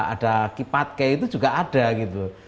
ada kipatke itu juga ada gitu